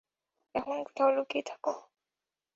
এখন কোথাও লুকিয়ে থাক।